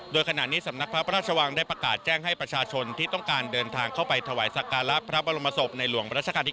โดยขณะนี้สำนักพระราชวังได้ประกาศแจ้งให้ประชาชนที่ต้องการเดินทางเข้าไปถวายสักการะพระบรมศพในหลวงรัชกาลที่๙